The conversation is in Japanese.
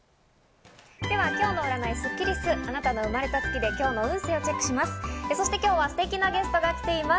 今日の占いスッキりす、あなたの生まれた月で今日の運勢をチェックします。